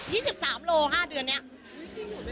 ๒๓โลกรัมค่ะเดือนนี้